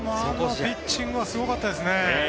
あのピッチングはすごかったですね。